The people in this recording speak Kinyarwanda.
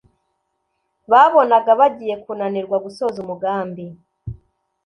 babonaga bagiye kunanirwa gusoza umugambi